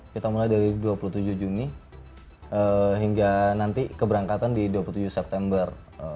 kita mulai dari dua puluh tujuh juni hingga nanti keberangkatan di dua puluh tujuh september